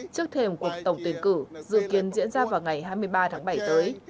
trước thêm cuộc tổng tuyển cử dự kiến diễn ra vào ngày hai mươi ba tháng bảy tới